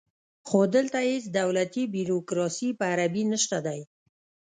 خو دلته هیڅ دولتي بیروکراسي په عربي نشته دی